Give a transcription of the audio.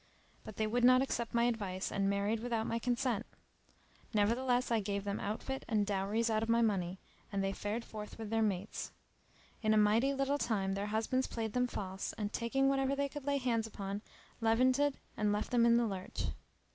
But they would not accept my advice and married without my consent: nevertheless I gave them outfit and dowries out of my money; and they fared forth with their mates. In a mighty little time their husbands played them false and, taking whatever they could lay hands upon, levanted and left them in the lurch.